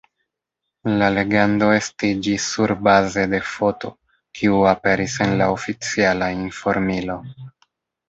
La legendo estiĝis surbaze de foto, kiu aperis en la oficiala informilo.